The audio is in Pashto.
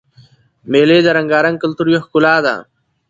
مېلې د رنګارنګ کلتور یوه ښکلا ده.